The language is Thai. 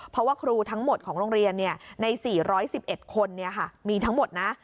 เพราะว่าครูทั้งหมดของโรงเรียนใน๔๑๑คนมีทั้งหมดนะ